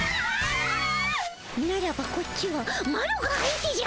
ならばこっちはマロが相手じゃ。